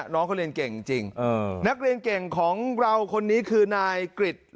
น้องเขาเรียนเก่งจริงนักเรียนเก่งของเราคนนี้คือนายกริจ